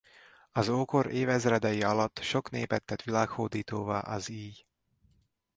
Az ókor évezredei alatt sok népet tett világhódítóvá az íj.